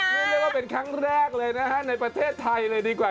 เรียกได้ว่าเป็นครั้งแรกเลยนะฮะในประเทศไทยเลยดีกว่า